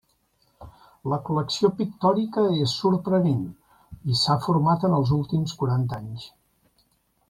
La col·lecció pictòrica és sorprenent, i s'ha format en els últims quaranta anys.